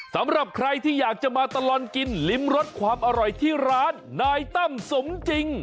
สำหรับใครที่อยากจะมาตลอดกินลิ้มรสความอร่อยที่ร้านนายตั้มสมจริง